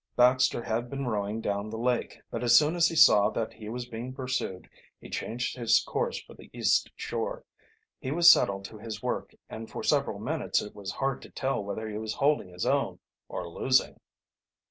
Baxter had been rowing down the lake, but as soon as he saw that he was being pursued he changed his course for the east shore. He was settled to his work, and for several minutes it was hard to tell whether he was holding his own or losing.